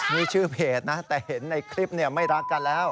นี่ชื่อเพจนะแต่เห็นในคลิปไม่รักกันแล้ว